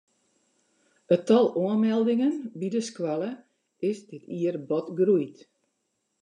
It tal oanmeldingen by de skoalle is dit jier bot groeid.